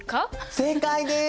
正解です！